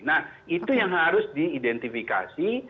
nah itu yang harus diidentifikasi